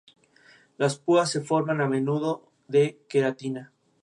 Dependerá de la Presidencia de la República.